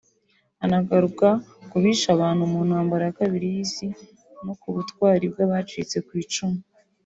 Anagaruka ku bishe abantu mu ntambara ya kabiri y’Isi no ku butwari bw’abacitse ku icumu